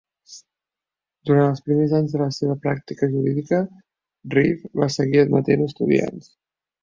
Durant els primers anys de la seva pràctica jurídica, Reeve va seguir admetent estudiants.